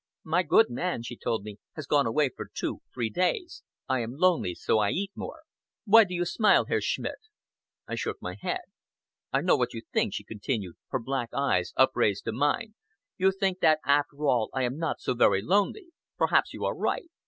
"My good man," she told me, "has gone away for two three days. I am lonely, so I eat more! Why do you smile, Herr Schmidt?" I shook my head. "I know what you think," she continued, her black eyes upraised to mine. "You think that after all I am not so very lonely. Perhaps you are right.